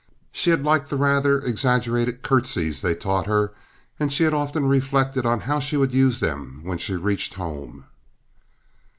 She had liked the rather exaggerated curtsies they taught her, and she had often reflected on how she would use them when she reached home.